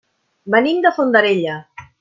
Venim de Fondarella.